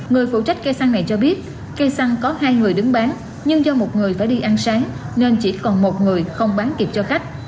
người phụ trách cây xăng này cho biết cây xăng có hai người đứng bán nhưng do một người phải đi ăn sáng nên chỉ còn một người không bán kịp cho khách